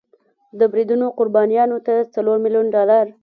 د بریدونو قربانیانو ته څلور میلیون ډالر